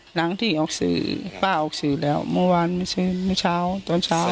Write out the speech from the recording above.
หลังที่ออกสื่อป้าออกสื่อแล้วเมื่อวานไม่ใช่เมื่อเช้าตอนเช้า